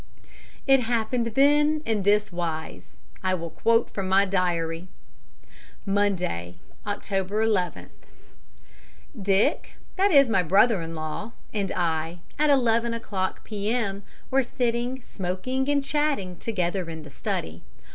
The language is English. "It happened then in this wise. I will quote from my diary: "Monday, October 11th. Dick that is my brother in law and I, at 11 p.m., were sitting smoking and chatting together in the study.